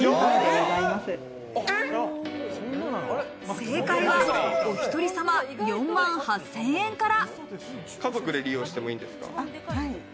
正解はお１人様４万８０００円から。